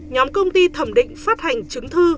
nhóm công ty thẩm định phát hành chứng thư